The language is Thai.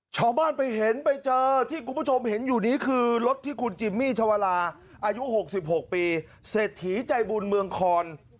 ชาวบ้านไปเห็นไปเจอที่คุณผู้ชมเห็นอยู่นี้คือรถที่คุณจิมมี่ชาวลาอายุ๖๖ปีเศรษฐีใจบุญเมืองคอน